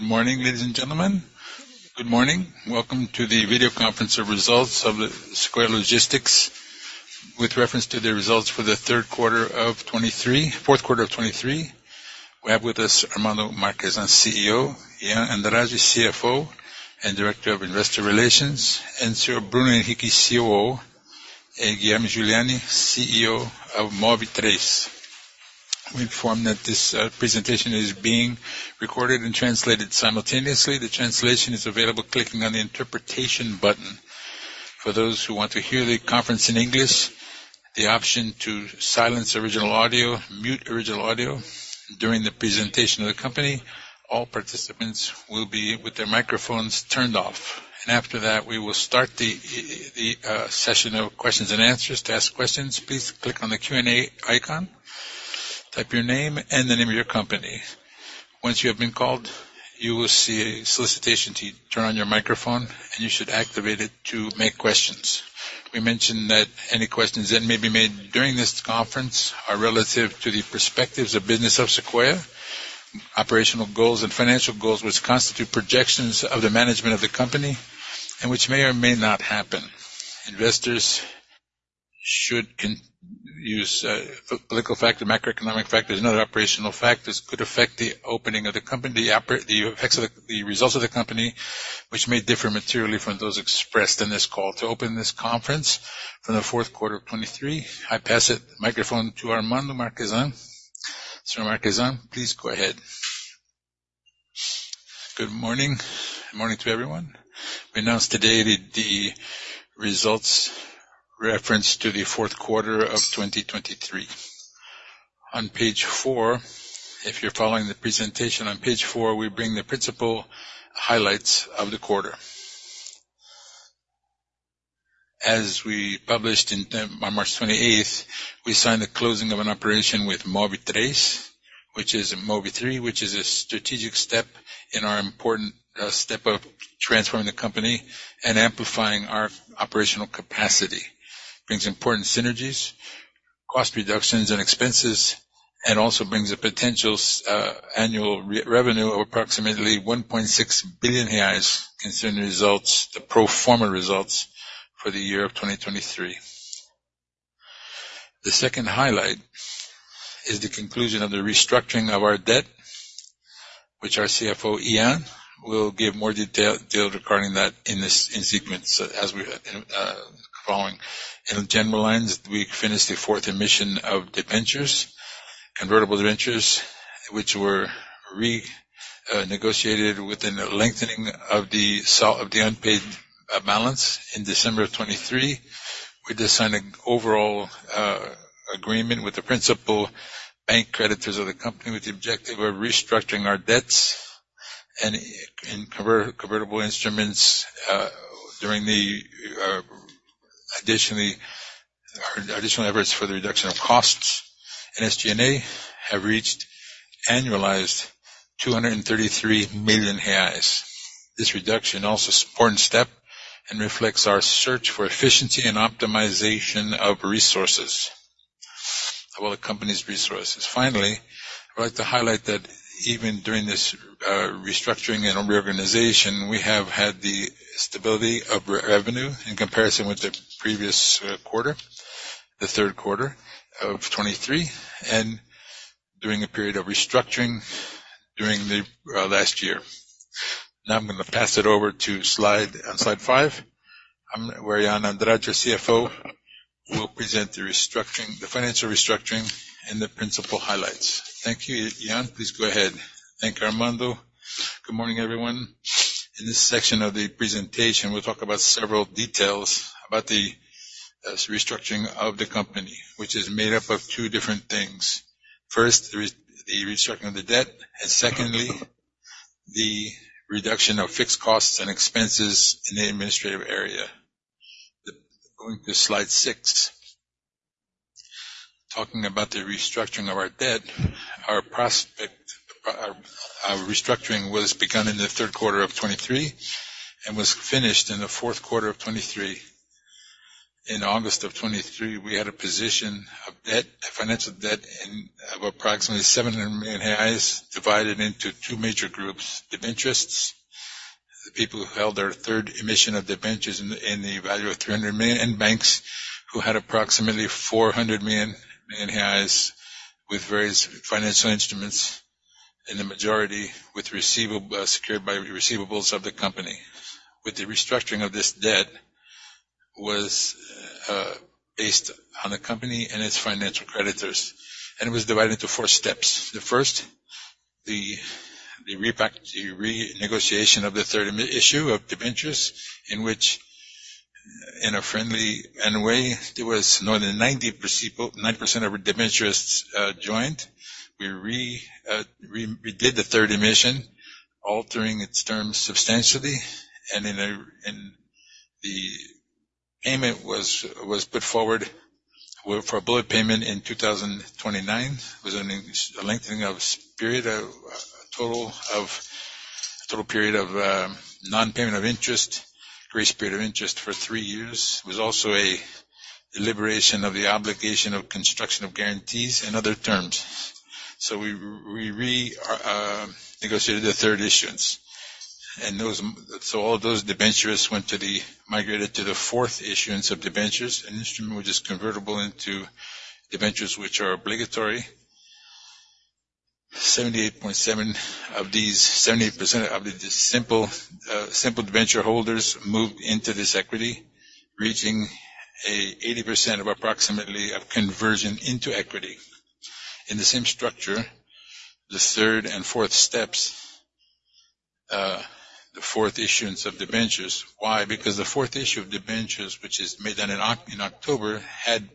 Good morning, ladies and gentlemen. Good morning. Welcome to the video conference of results of the Sequoia Logística with reference to the results for the third quarter of 2023, fourth quarter of 2023. We have with us Armando Marchesan Neto, CEO; Ian Andrade, CFO and Director of Investor Relations; and Bruno Henrique, COO; and Guilherme Juliani, CEO of Move3. We inform that this presentation is being recorded and translated simultaneously. The translation is available clicking on the interpretation button. For those who want to hear the conference in English, the option to silence original audio, mute original audio during the presentation of the company. All participants will be with their microphones turned off. And after that, we will start the session of questions and answers. To ask questions, please click on the Q&A icon. Type your name and the name of your company. Once you have been called, you will see a solicitation to turn on your microphone, and you should activate it to make questions. We mentioned that any questions that may be made during this conference are relative to the perspectives of business of Sequoia, operational goals, and financial goals, which constitute projections of the management of the company and which may or may not happen. Investors should use political factors, macroeconomic factors, and other operational factors that could affect the operation of the company, the effects of the results of the company, which may differ materially from those expressed in this call. To open this conference for the fourth quarter of 2023, I pass the microphone to Armando Marchesan Neto. Mr. Marchesan Neto, please go ahead. Good morning. Good morning to everyone. We announce today the results reference to the fourth quarter of 2023. On page 4, if you're following the presentation, on page 4, we bring the principal highlights of the quarter. As we published on March 28th, we signed the closing of an operation with Move3, which is a strategic step in our important step of transforming the company and amplifying our operational capacity. It brings important synergies, cost reductions, and expenses, and also brings a potential annual revenue of approximately 1.6 billion reais concerning the results, the pro forma results for the year of 2023. The second highlight is the conclusion of the restructuring of our debt, which our CFO, Ian, will give more detail regarding that in sequence as we're following. In general lines, we finished the fourth emission of convertible debentures, which were renegotiated within the lengthening of the unpaid balance in December of 2023. We just signed an overall agreement with the principal bank creditors of the company with the objective of restructuring our debts and convertible instruments during the additional efforts for the reduction of costs. SG&A have reached annualized 233 million reais. This reduction is also an important step and reflects our search for efficiency and optimization of resources, of all the company's resources. Finally, I would like to highlight that even during this restructuring and reorganization, we have had the stability of revenue in comparison with the previous quarter, the third quarter of 2023, and during a period of restructuring during the last year. Now I'm going to pass it over to slide 5, where Ian Andrade, CFO, will present the financial restructuring and the principal highlights. Thank you, Ian. Please go ahead. Thank you, Armando. Good morning, everyone. In this section of the presentation, we'll talk about several details about the restructuring of the company, which is made up of two different things. First, the restructuring of the debt, and secondly, the reduction of fixed costs and expenses in the administrative area. Going to slide 6, talking about the restructuring of our debt, our restructuring was begun in the third quarter of 2023 and was finished in the fourth quarter of 2023. In August of 2023, we had a position of debt, financial debt, of approximately 700 million reais divided into two major groups: debentures, the people who held their third emission of debt debentures in the value of 300 million, and banks who had approximately 400 million reais with various financial instruments, and the majority secured by receivables of the company. With the restructuring of this debt was based on the company and its financial creditors. It was divided into 4 steps. The first, the renegotiation of the third issue of debentures, in which, in a friendly way, there was more than 90% of debentures joined. We redid the third emission, altering its terms substantially. The payment was put forward for a bullet payment in 2029. It was a lengthening of a total period of nonpayment of interest, grace period of interest for 3 years. It was also a deliberation of the obligation of construction of guarantees and other terms. We renegotiated the third issuance. All those debentures went to the migrated to the fourth issuance of debentures, an instrument which is convertible into debentures which are obligatory. 78.7% of these 78% of the simple debt venture holders moved into this equity, reaching 80% of approximately of conversion into equity. In the same structure, the third and fourth issues, the fourth issuance of debentures. Why? Because the fourth issue of debentures, which is made in October, had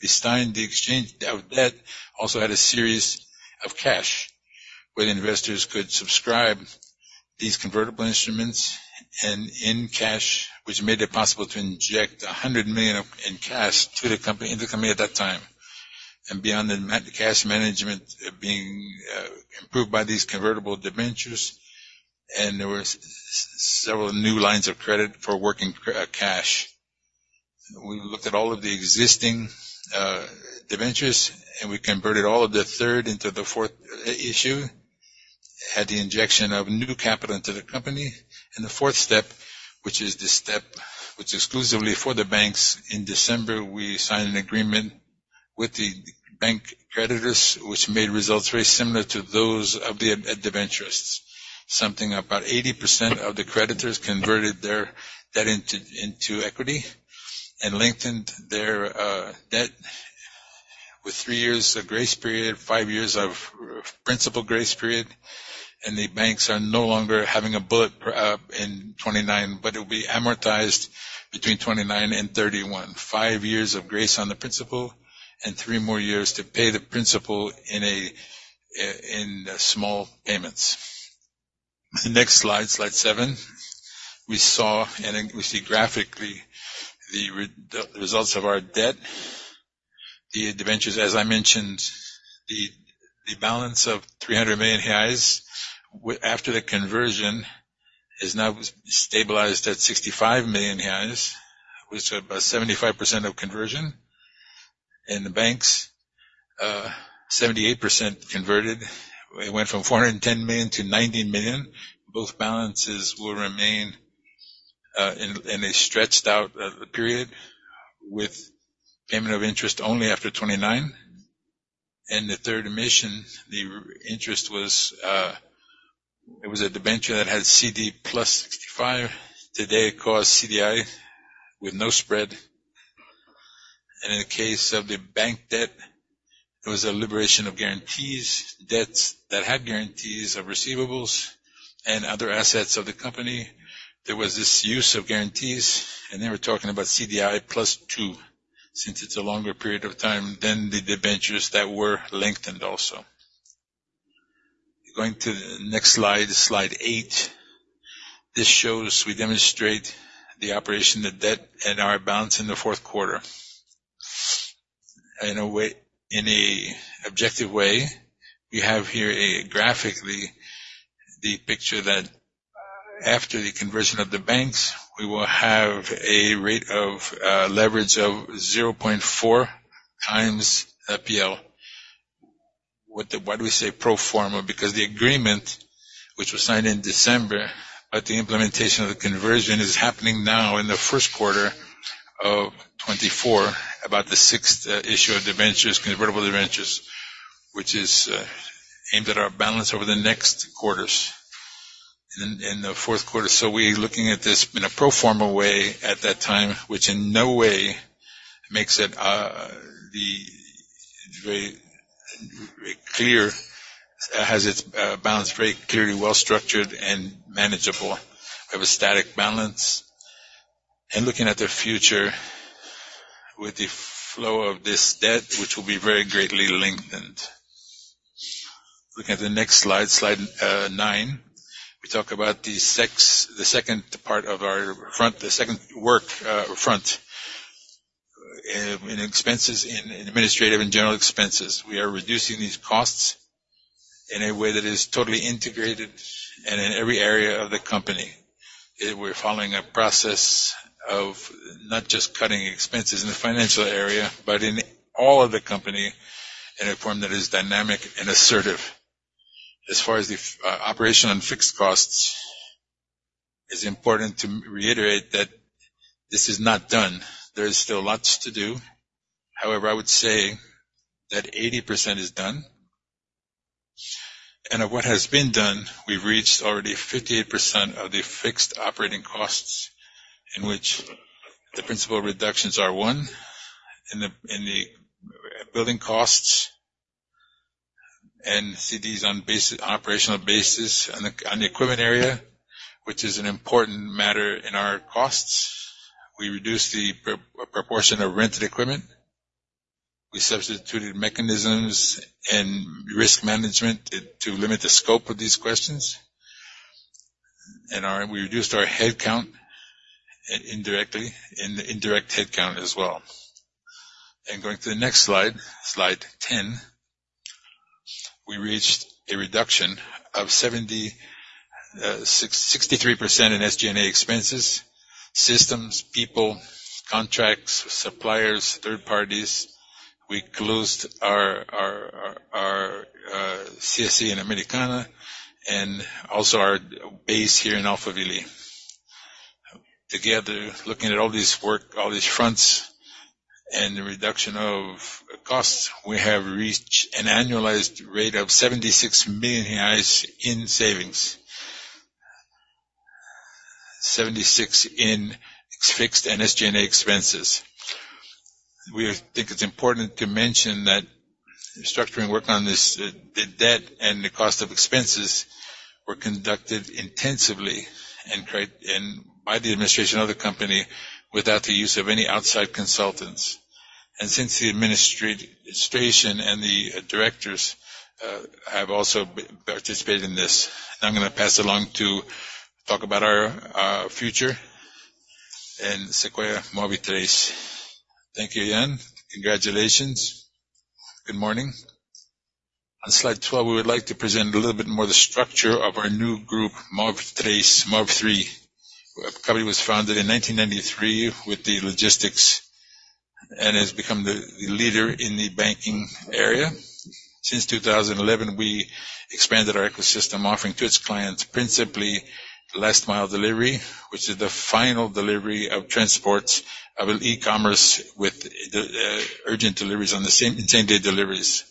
besides the exchange of debt, also had a series of cash where investors could subscribe to these convertible instruments and in cash, which made it possible to inject 100 million in cash to the company into the company at that time. And beyond the cash management being improved by these convertible debentures, and there were several new lines of credit for working capital. We looked at all of the existing debentures, and we converted all of the third into the fourth issue, had the injection of new capital into the company. And the fourth step, which is the step which exclusively for the banks, in December, we signed an agreement with the bank creditors, which made results very similar to those of the debentures. Something about 80% of the creditors converted their debt into equity and lengthened their debt with three years of grace period, five years of principal grace period. And the banks are no longer having a bullet in 2029, but it will be amortized between 2029 and 2031. Five years of grace on the principal and three more years to pay the principal in small payments. The next slide, slide 7. We saw and we see graphically the results of our debt, the debentures. As I mentioned, the balance of 300 million reais after the conversion is now stabilized at 65 million reais, which is about 75% of conversion. And the banks, 78% converted. It went from 410 million to 90 million. Both balances will remain in a stretched-out period with payment of interest only after 2029. The third emission, the interest was a debenture that had CDI plus 65. Today, it's CDI with no spread. In the case of the bank debt, it was a liberation of guarantees, debts that had guarantees of receivables and other assets of the company. There was this use of guarantees. They were talking about CDI plus 2 since it's a longer period of time than the debentures that were lengthened also. Going to the next slide, slide 8. This shows we demonstrate the operation of the debt and our balance in the fourth quarter. In an objective way, we have here graphically the picture that after the conversion of the banks, we will have a rate of leverage of 0.4 times PL. Why do we say pro forma? Because the agreement, which was signed in December, but the implementation of the conversion is happening now in the first quarter of 2024, about the sixth issue of convertible debentures, which is aimed at our balance over the next quarters in the fourth quarter. So we're looking at this in a pro forma way at that time, which in no way makes it very clear, has its balance very clearly well-structured and manageable. We have a static balance. And looking at the future with the flow of this debt, which will be very greatly lengthened. Looking at the next slide, slide 9, we talk about the second part of our front, the second work front, in expenses, in administrative and general expenses. We are reducing these costs in a way that is totally integrated and in every area of the company. We're following a process of not just cutting expenses in the financial area, but in all of the company in a form that is dynamic and assertive. As far as the operation on fixed costs, it's important to reiterate that this is not done. There is still lots to do. However, I would say that 80% is done. And of what has been done, we've reached already 58% of the fixed operating costs in which the principal reductions are one, in the building costs and DCs on operational basis on the equipment area, which is an important matter in our costs. We reduced the proportion of rented equipment. We substituted mechanisms and risk management to limit the scope of these questions. We reduced our headcount indirectly, indirect headcount as well. Going to the next slide, slide 10, we reached a reduction of 63% in SG&A expenses, systems, people, contracts, suppliers, third parties. We closed our CSC in Americana and also our base here in Alphaville. Together, looking at all this work, all these fronts and the reduction of costs, we have reached an annualized rate of 76 million reais in savings, 76 million in fixed and SG&A expenses. We think it's important to mention that structuring work on this debt and the cost of expenses were conducted intensively and by the administration of the company without the use of any outside consultants. Since the administration and the directors have also participated in this, now I'm going to pass it along to talk about our future in Sequoia Move3. Thank you, Ian. Congratulations. Good morning. On slide 12, we would like to present a little bit more of the structure of our new group, Move3. The company was founded in 1993 with the logistics and has become the leader in the banking area. Since 2011, we expanded our ecosystem offering to its clients principally last-mile delivery, which is the final delivery of transports of e-commerce with urgent deliveries on the same day deliveries.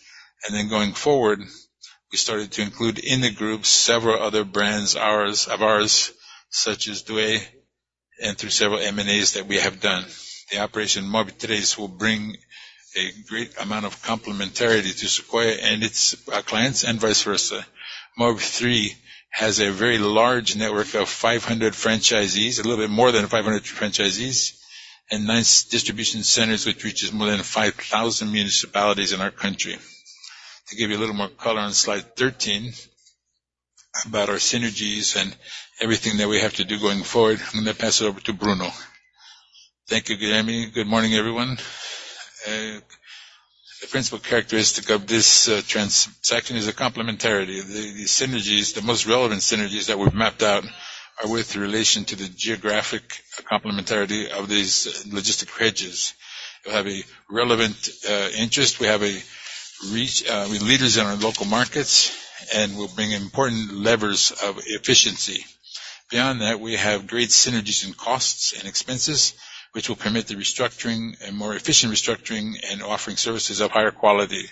And then going forward, we started to include in the group several other brands of ours such as Levo and through several M&As that we have done. The operation Move3 will bring a great amount of complementarity to Sequoia and its clients and vice versa. Move3 has a very large network of 500 franchisees, a little bit more than 500 franchisees, and nice distribution centers which reach more than 5,000 municipalities in our country. To give you a little more color on slide 13 about our synergies and everything that we have to do going forward, I'm going to pass it over to Bruno. Thank you, Guilherme. Good morning, everyone. The principal characteristic of this section is a complementarity. The synergies, the most relevant synergies that we've mapped out are with relation to the geographic complementarity of these logistics assets. We have a relevant interest. We have leaders in our local markets, and we'll bring important levers of efficiency. Beyond that, we have great synergies in costs and expenses which will permit the restructuring and more efficient restructuring and offering services of higher quality.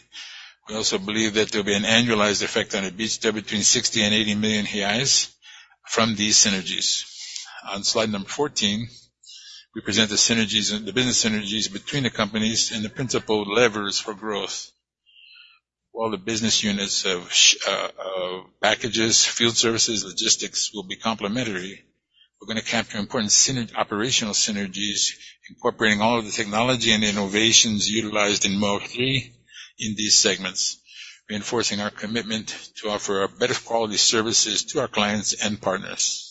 We also believe that there'll be an annualized effect on an EBITDA of 60 million-80 million from these synergies. On slide 14, we present the synergies, the business synergies between the companies and the principal levers for growth. While the business units of packages, field services, logistics will be complementary, we're going to capture important operational synergies incorporating all of the technology and innovations utilized in Move3 in these segments, reinforcing our commitment to offer better quality services to our clients and partners.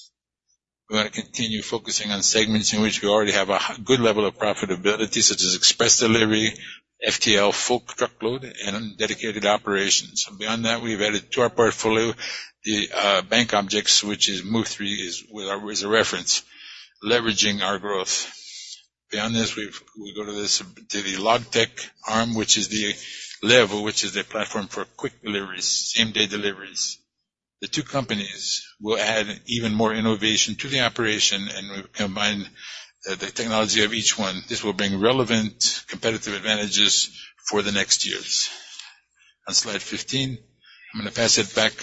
We're going to continue focusing on segments in which we already have a good level of profitability such as express delivery, FTL, full truckload, and dedicated operations. Beyond that, we've added to our portfolio the banking logistics which is where Move3 is a reference, leveraging our growth. Beyond this, we go to the LogTech arm, which is Levo, which is the platform for quick deliveries, same-day deliveries. The two companies will add even more innovation to the operation, and we'll combine the technology of each one. This will bring relevant competitive advantages for the next years. On slide 15, I'm going to pass it back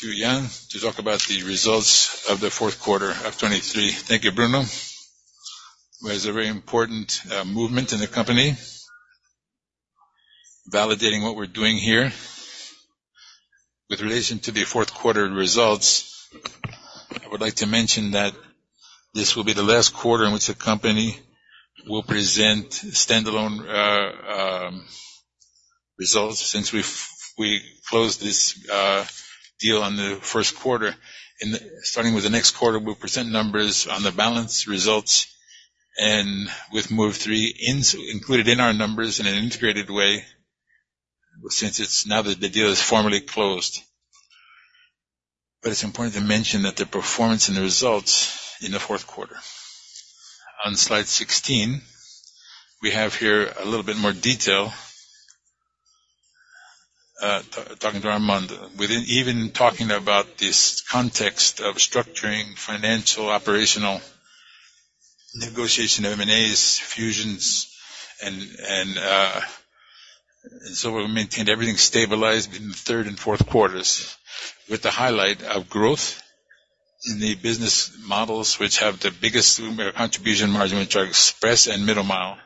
to Ian to talk about the results of the fourth quarter of 2023. Thank you, Bruno. It was a very important movement in the company validating what we're doing here. With relation to the fourth quarter results, I would like to mention that this will be the last quarter in which the company will present standalone results since we closed this deal on the first quarter. Starting with the next quarter, we'll present numbers on the balance results and with Move3 included in our numbers in an integrated way since it's now that the deal is formally closed. But it's important to mention that the performance and the results in the fourth quarter. On slide 16, we have here a little bit more detail talking to Armando within even talking about this context of structuring, financial, operational negotiation of M&As, fusions, and so we'll maintain everything stabilized in the third and fourth quarters with the highlight of growth in the business models which have the biggest contribution margin which are express and middle mile.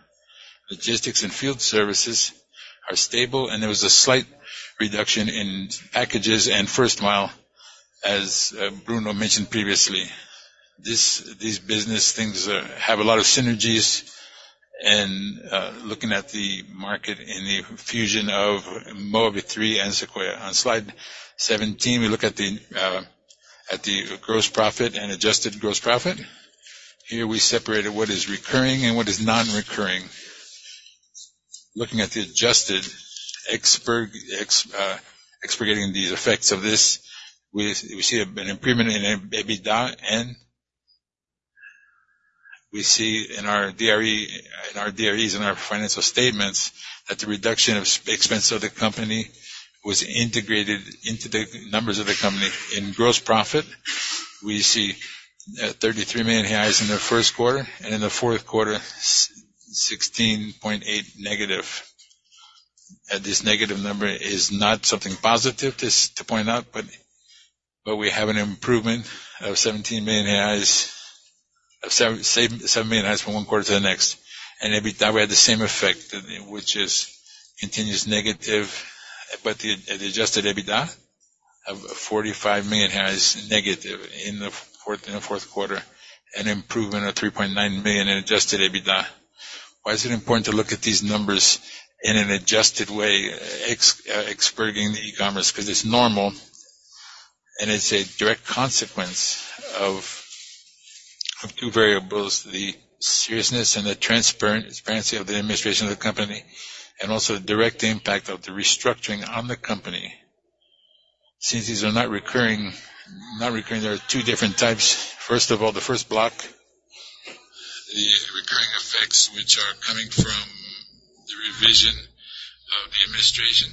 Logistics and field services are stable, and there was a slight reduction in packages and first mile as Bruno mentioned previously. These business things have a lot of synergies and looking at the market in the fusion of Move3 and Sequoia. On slide 17, we look at the gross profit and adjusted gross profit. Here, we separated what is recurring and what is non-recurring. Looking at the adjusted, expurgating these effects of this, we see an improvement in EBITDA and we see in our DREs and our financial statements that the reduction of expense of the company was integrated into the numbers of the company. In gross profit, we see 33 million reais in the first quarter, and in the fourth quarter, -16.8. This negative number is not something positive to point out, but we have an improvement of 17 million, of 7 million reais from one quarter to the next. In EBITDA, we had the same effect, which is continuous negative, but the Adjusted EBITDA of -45 million in the fourth quarter, an improvement of 3.9 million in Adjusted EBITDA. Why is it important to look at these numbers in an adjusted way, expurgating the e-commerce? Because it's normal, and it's a direct consequence of two variables, the seriousness and the transparency of the administration of the company, and also the direct impact of the restructuring on the company. Since these are not recurring, there are two different types. First of all, the first block, the recurring effects which are coming from the revision of the administration.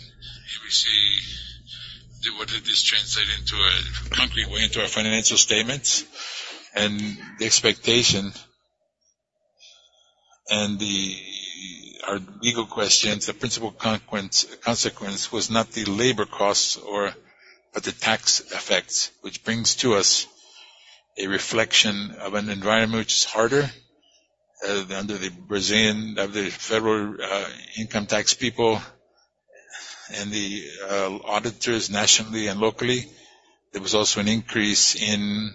What did this translate into a concrete way into our financial statements and the expectation and our legal questions? The principal consequence was not the labor costs but the tax effects, which brings to us a reflection of an environment which is harder under the federal income tax people and the auditors nationally and locally. There was also an increase in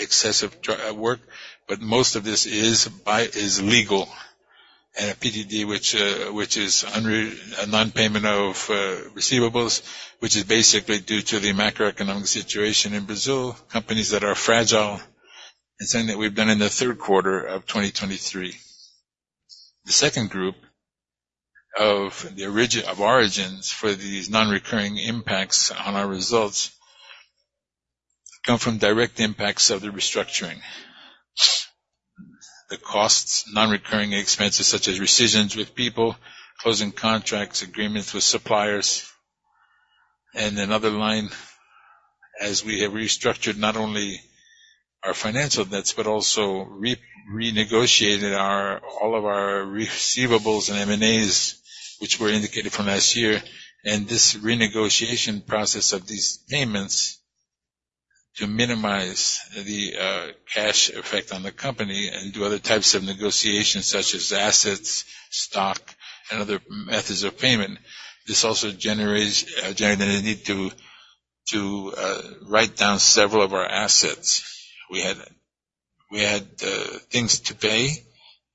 excessive work, but most of this is legal and a PDD which is a non-payment of receivables, which is basically due to the macroeconomic situation in Brazil, companies that are fragile and something that we've done in the third quarter of 2023. The second group of origins for these non-recurring impacts on our results come from direct impacts of the restructuring, the costs, non-recurring expenses such as rescissions with people, closing contracts, agreements with suppliers, and another line as we have restructured not only our financial debts but also renegotiated all of our receivables and M&As which were indicated from last year. And this renegotiation process of these payments to minimize the cash effect on the company and do other types of negotiations such as assets, stock, and other methods of payment, this also generated a need to write down several of our assets. We had things to pay,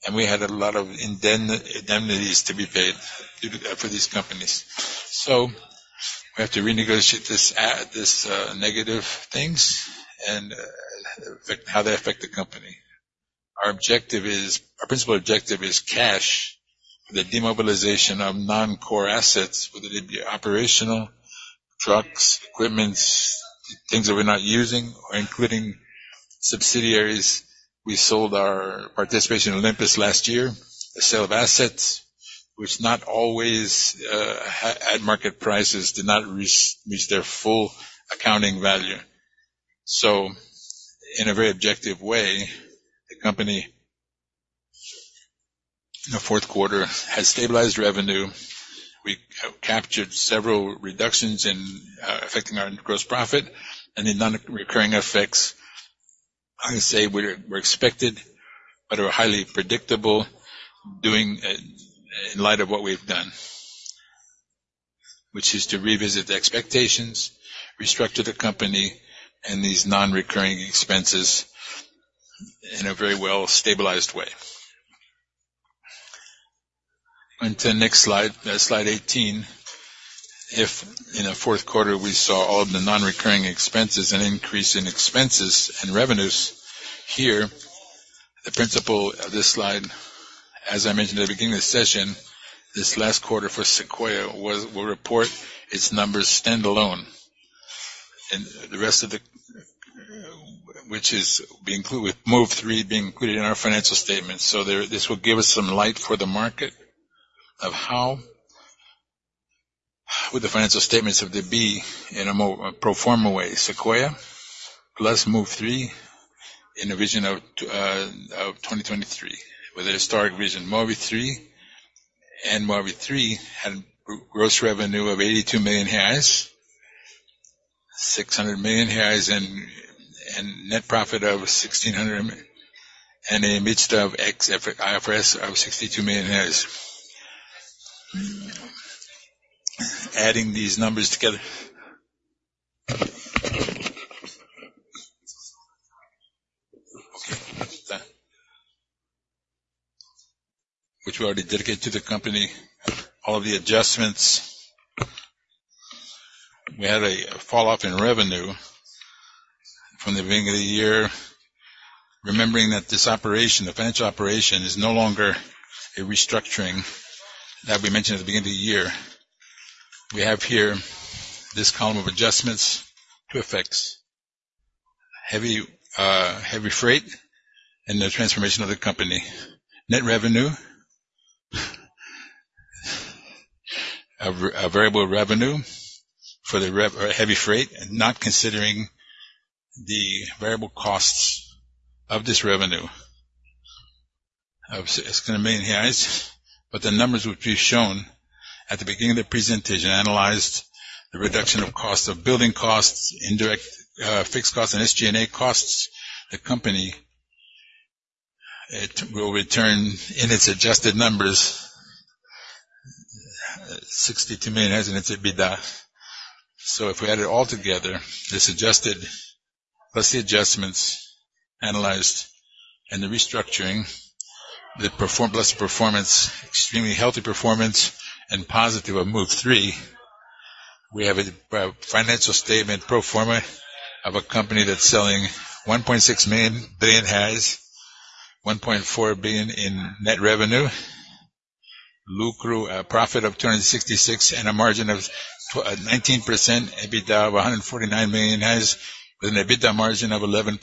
and we had a lot of indemnities to be paid for these companies. So we have to renegotiate these negative things and how they affect the company. Our principal objective is cash, the demobilization of non-core assets whether it be operational, trucks, equipment, things that we're not using, or including subsidiaries. We sold our participation in Lincros last year, the sale of assets which not always at market prices did not reach their full accounting value. So in a very objective way, the company in the fourth quarter has stabilized revenue. We captured several reductions in affecting our gross profit and the non-recurring effects. I would say we're expected but are highly predictable in light of what we've done, which is to revisit the expectations, restructure the company, and these non-recurring expenses in a very well-stabilized way. Onto the next slide, slide 18. If in the fourth quarter, we saw all of the non-recurring expenses and increase in expenses and revenues here, the purpose of this slide, as I mentioned at the beginning of the session, this last quarter for Sequoia will report its numbers standalone, which is being included with Move3 being included in our financial statements. So this will give us some light for the market of how would the financial statements of Sequoia be in a pro forma way. Sequoia plus Move3 in the vision of 2023 with a historic vision. Move3 and Move3 had gross revenue of 82 million reais, 600 million reais, and net profit of 1.6 million and Adjusted EBITDA under IFRS of 62 million reais. Adding these numbers together, which we already dedicated to the company, all of the adjustments, we had a falloff in revenue from the beginning of the year. Remembering that this operation, the financial operation, is no longer a restructuring that we mentioned at the beginning of the year, we have here this column of adjustments to effects, heavy freight and the transformation of the company, net revenue, a variable revenue for the heavy freight and not considering the variable costs of this revenue of 600 million. But the numbers which we've shown at the beginning of the presentation analyzed the reduction of costs of building costs, indirect fixed costs, and SG&A costs, the company will return in its adjusted numbers BRL 62 million in its EBITDA. So if we add it all together, this adjusted plus the adjustments analyzed and the restructuring, the plus performance, extremely healthy performance and positive of Move3, we have a financial statement pro forma of a company that's selling 1.6 million reais, 1.4 billion in net revenue, profit of 266, and a margin of 19% EBITDA of 149 million reais with an EBITDA margin of 11%.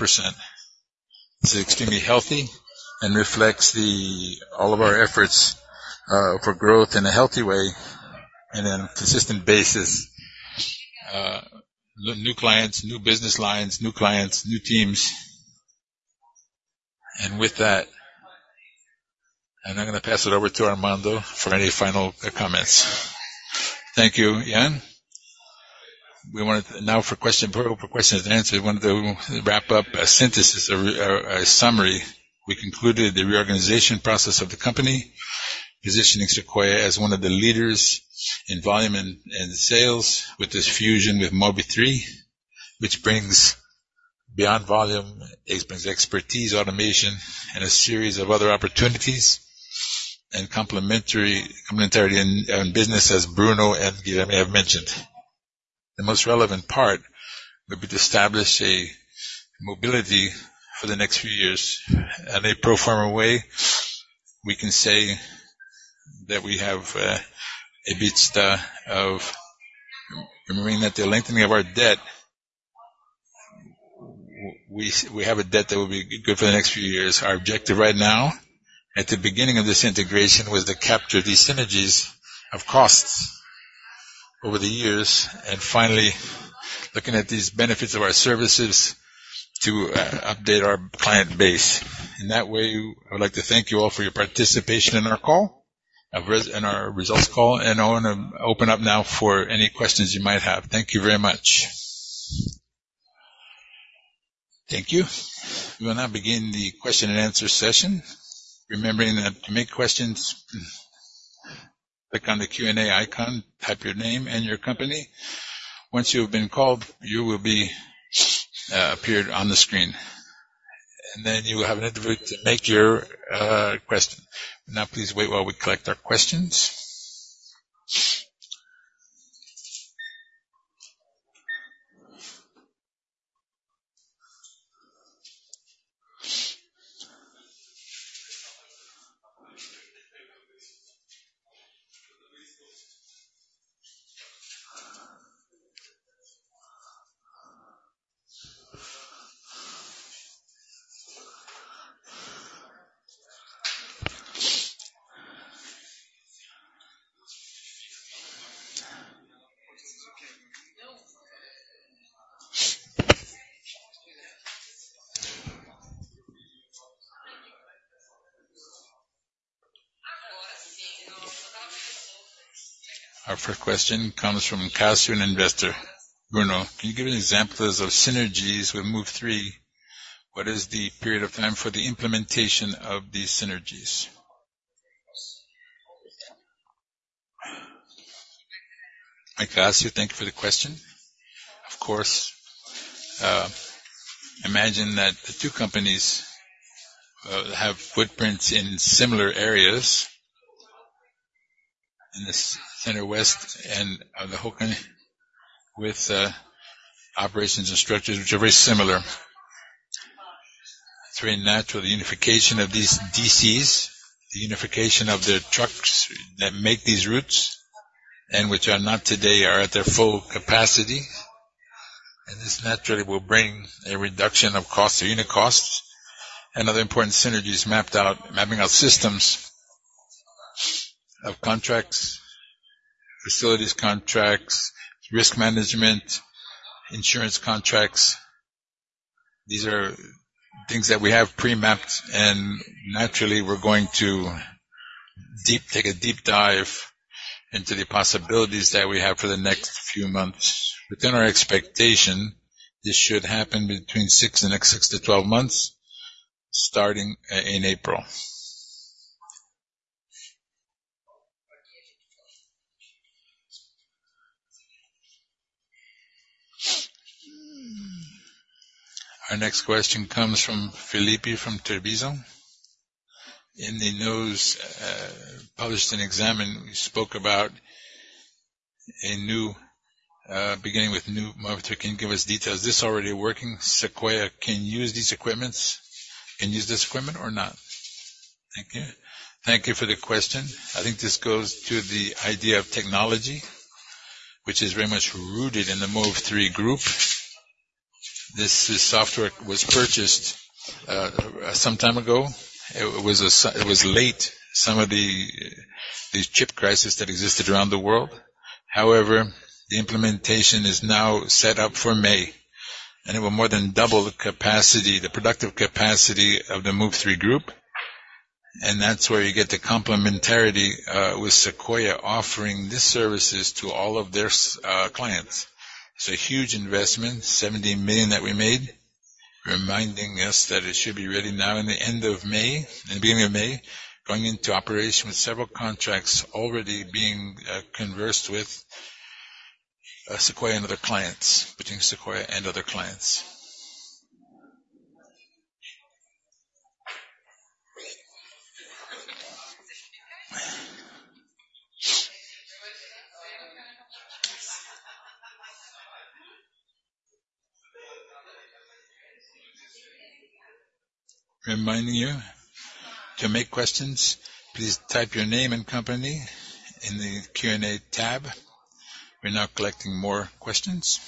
This is extremely healthy and reflects all of our efforts for growth in a healthy way and on a consistent basis. New clients, new business lines, new clients, new teams. And with that, and I'm going to pass it over to Armando for any final comments. Thank you, Ian. We want to now for questions, probable questions and answers. We want to wrap up a synthesis, a summary. We concluded the reorganization process of the company, positioning Sequoia as one of the leaders in volume and sales with this fusion with Move3, which brings beyond volume, it brings expertise, automation, and a series of other opportunities and complementarity in business as Bruno and Guilherme have mentioned. The most relevant part would be to establish a mobility for the next few years. In a pro forma way, we can say that we have a midst of remembering that the lengthening of our debt, we have a debt that will be good for the next few years. Our objective right now at the beginning of this integration was to capture these synergies of costs over the years and finally looking at these benefits of our services to update our client base. In that way, I would like to thank you all for your participation in our call, in our results call, and I want to open up now for any questions you might have. Thank you very much. Thank you. We will now begin the question and answer session. Remembering that to make questions, click on the Q&A icon, type your name and your company. Once you have been called, you will appear on the screen, and then you will have an opportunity to make your question. Now, please wait while we collect our questions. Our first question comes from Inácio, an investor. Bruno, can you give an example of synergies with Move3? What is the period of time for the implementation of these synergies? Inácio, thank you for the question. Of course. Imagine that the two companies have footprints in similar areas in the center west and the Tocantins with operations and structures which are very similar. It's very natural the unification of these DCs, the unification of their trucks that make these routes and which are not today are at their full capacity. And this naturally will bring a reduction of costs, unit costs, and other important synergies mapping out systems of contracts, facilities contracts, risk management, insurance contracts. These are things that we have premapped, and naturally, we're going to take a deep dive into the possibilities that we have for the next few months. Within our expectation, this should happen between 6-12 months starting in April. Our next question comes from Felipe from BTG Pactual. In the news published in Exame, we spoke about beginning with new. Can you give us details? This already working. Sequoia can use these equipments, can use this equipment or not? Thank you. Thank you for the question. I think this goes to the idea of technology which is very much rooted in the Move3 group. This software was purchased some time ago. It was late some of the chip crisis that existed around the world. However, the implementation is now set up for May, and it will more than double the capacity, the productive capacity of the Move3 group. And that's where you get the complementarity with Sequoia offering these services to all of their clients. It's a huge investment, 70 million that we made, reminding us that it should be ready now in the end of May, in the beginning of May, going into operation with several contracts already being conversed with Sequoia and other clients, between Sequoia and other clients. Reminding you to make questions, please type your name and company in the Q&A tab. We're now collecting more questions.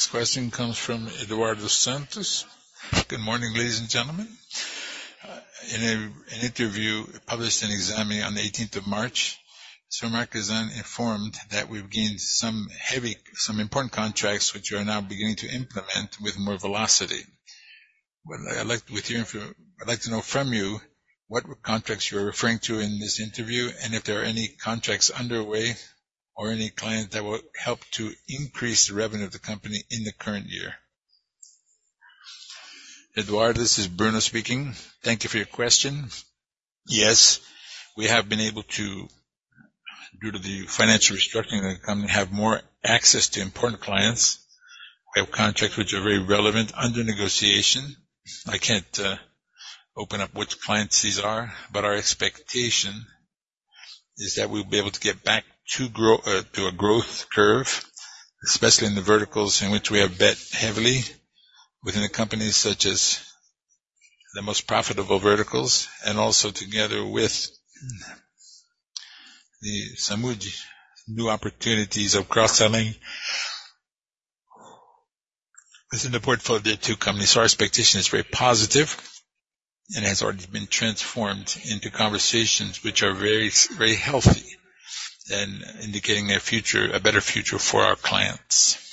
Our next question comes from Eduardo Santos. Good morning, ladies and gentlemen. In an interview published in Exame on the 18th of March, Mr. Marchesan informed that we've gained some important contracts which you are now beginning to implement with more velocity. I'd like to know from you what contracts you're referring to in this interview and if there are any contracts underway or any clients that will help to increase the revenue of the company in the current year. Eduardo, this is Bruno speaking. Thank you for your question. Yes, we have been able to, due to the financial restructuring of the company, have more access to important clients. We have contracts which are very relevant under negotiation. I can't open up which clients these are, but our expectation is that we'll be able to get back to a growth curve, especially in the verticals in which we have bet heavily within the companies such as the most profitable verticals and also together with the new opportunities of cross-selling within the portfolio of the two companies. So our expectation is very positive and has already been transformed into conversations which are very healthy and indicating a better future for our clients.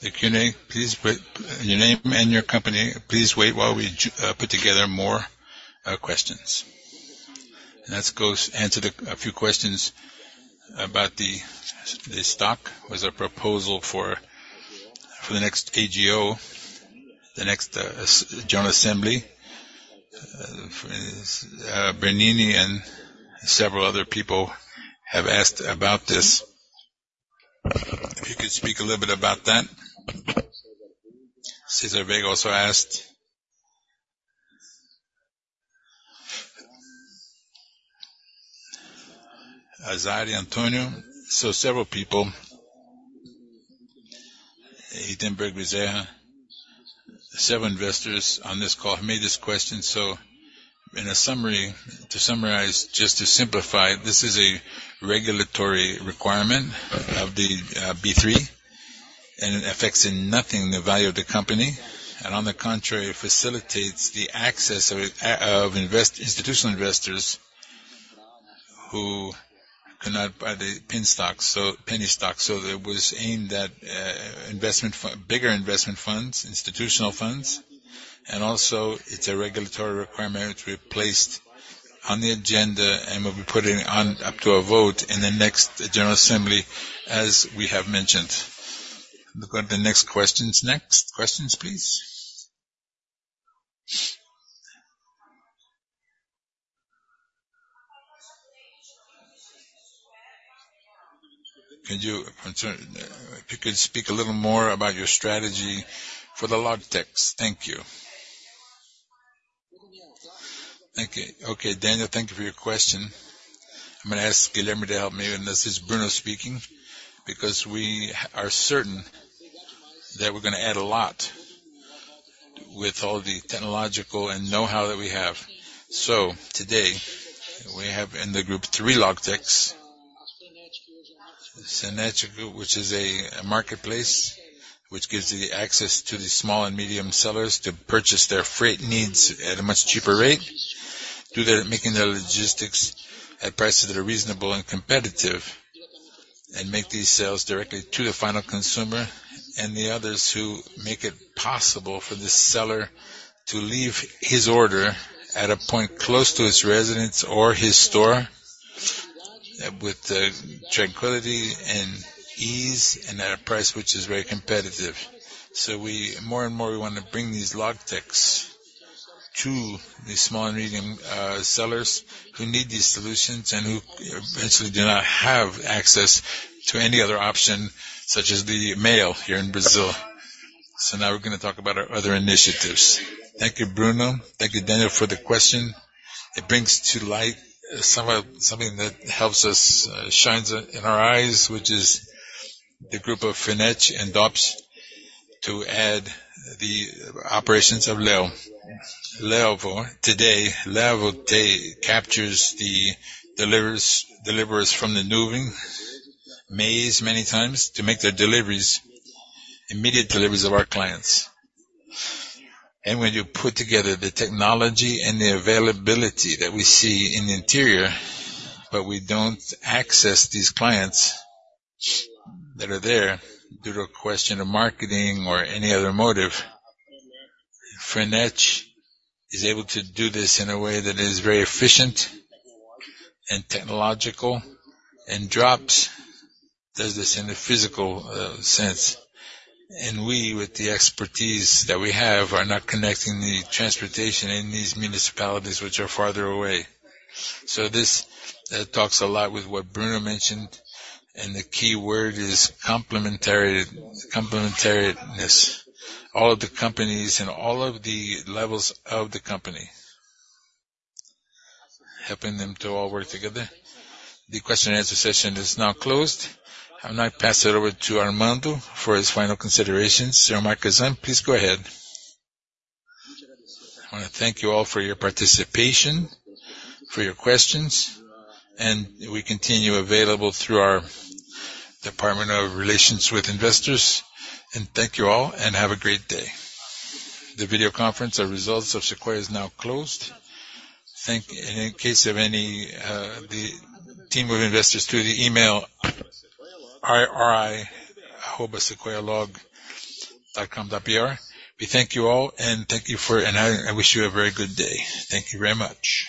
The Q&A, please wait. Your name and your company. Please wait while we put together more questions. And that goes answer a few questions about the stock. There's a proposal for the next AGO, the next general assembly. Bernini and several other people have asked about this. If you could speak a little bit about that. Cesar Vega also asked. Zaid Antonio. So several people, Gutemberg Bezerra, several investors on this call who made this question. So in a summary, to summarize, just to simplify, this is a regulatory requirement of the B3, and it affects in nothing the value of the company. And on the contrary, it facilitates the access of institutional investors who cannot buy the penny stocks. So there was aimed that bigger investment funds, institutional funds, and also it's a regulatory requirement. It's replaced on the agenda and will be putting up to a vote in the next general assembly, as we have mentioned. We've got the next questions. Next questions, please. If you could speak a little more about your strategy for the LogTech? Thank you. Thank you. Okay, Daniel, thank you for your question. I'm going to ask Guilherme to help me with this. It's Bruno speaking because we are certain that we're going to add a lot with all the technological and know-how that we have. So today, we have in the group three LogTechs, Frenet, which is a marketplace which gives you the access to the small and medium sellers to purchase their freight needs at a much cheaper rate, making their logistics at prices that are reasonable and competitive, and make these sales directly to the final consumer and the others who make it possible for the seller to leave his order at a point close to his residence or his store with tranquility and ease and at a price which is very competitive. So more and more, we want to bring these LogTech to the small and medium sellers who need these solutions and who eventually do not have access to any other option such as the mail here in Brazil. So now we're going to talk about our other initiatives. Thank you, Bruno. Thank you, Daniel, for the question. It brings to light something that shines in our eyes, which is the group of Frenet and Drops to add the operations of Levo. Today, Levo captures the deliverers from the moving mass many times to make their immediate deliveries of our clients. And when you put together the technology and the availability that we see in the interior, but we don't access these clients that are there due to a question of marketing or any other motive, Frenet is able to do this in a way that is very efficient and technological, and PUDOs do this in a physical sense. And we, with the expertise that we have, are not connecting the transportation in these municipalities which are farther away. So this talks a lot with what Bruno mentioned, and the key word is complementariness, all of the companies and all of the levels of the company, helping them to all work together. The question-and-answer session is now closed. I'm going to pass it over to Armando for his final considerations. Mr. Marchesan, please go ahead. I want to thank you all for your participation, for your questions, and we continue available through our Department of Relations with Investors. Thank you all and have a great day. The video conference, our results of Sequoia, is now closed. In case of any team of investors through the email ir@sequoialogistica.com.br, we thank you all and thank you for and I wish you a very good day. Thank you very much.